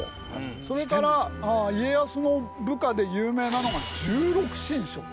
それから家康の部下で有名なのが十六神将。